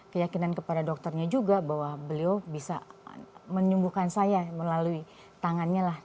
keyakinan kepada dokternya juga bahwa beliau bisa menyembuhkan saya melalui tangannya lah